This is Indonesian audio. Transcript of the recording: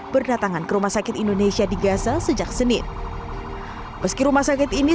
berdatangan ke rumah sakit indonesia di gaza sejak senin meski rumah sakit ini